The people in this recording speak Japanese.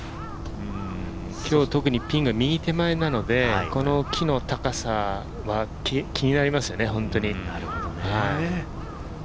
今日は特にピンが右手前なので、この木の高さは気になりますよね、本当に。